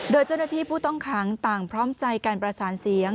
โดยเจ้าหน้าที่ผู้ต้องขังต่างพร้อมใจการประสานเสียง